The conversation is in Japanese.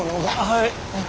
はい。